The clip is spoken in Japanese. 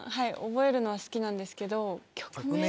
覚えるのは好きなんですけど。